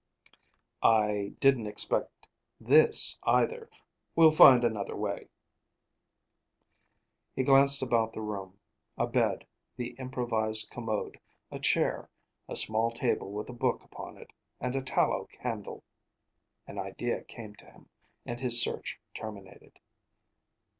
"I didn't expect this, either. We'll find another way." He glanced about the room. A bed, the improvised commode, a chair, a small table with a book upon it, and a tallow candle an idea came to him, and his search terminated.